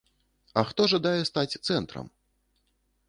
А хто жадае стаць цэнтрам?